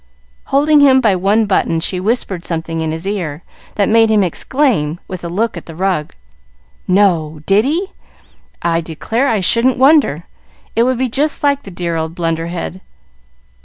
Holding him by one button, she whispered something in his ear that made him exclaim, with a look at the rug, "No! did he? I declare I shouldn't wonder! It would be just like the dear old blunder head."